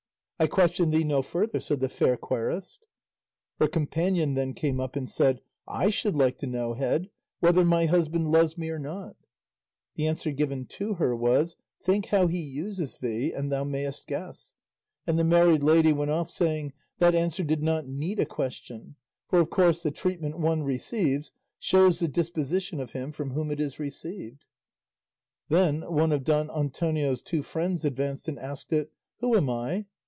"I question thee no further," said the fair querist. Her companion then came up and said, "I should like to know, Head, whether my husband loves me or not;" the answer given to her was, "Think how he uses thee, and thou mayest guess;" and the married lady went off saying, "That answer did not need a question; for of course the treatment one receives shows the disposition of him from whom it is received." Then one of Don Antonio's two friends advanced and asked it, "Who am I?"